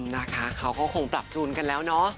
นะคะเขาก็คงปรับจูนกันแล้วเนาะ